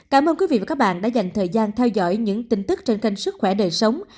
cảm ơn quý vị và các bạn đã dành thời gian theo dõi những tin tức trên kênh sức khỏe đời sống